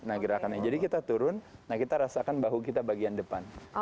nah gerakannya jadi kita turun nah kita rasakan bahu kita bagian depan